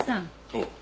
おう。